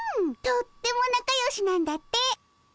とってもなかよしなんだって。